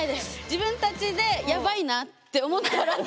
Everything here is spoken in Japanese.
自分たちでヤバいなって思ったら。